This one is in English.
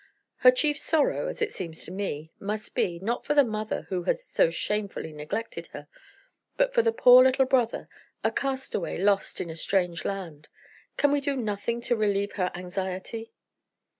Her chief sorrow (as it seems to me) must be not for the mother who has so shamefully neglected her but for the poor little brother, a castaway lost in a strange land. Can we do nothing to relieve her anxiety?"